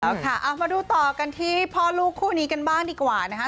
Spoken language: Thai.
เอาค่ะเอามาดูต่อกันที่พ่อลูกคู่นี้กันบ้างดีกว่านะคะ